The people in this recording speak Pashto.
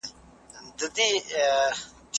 ښوروا سړه نه خوړل کېږي.